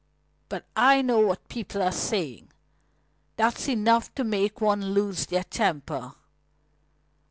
"But I know what people are saying. It's enough to make any one lose their temper."